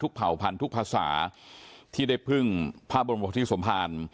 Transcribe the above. เผ่าพันธุ์ภาษาที่ได้พึ่งพระบรมธิสมภาร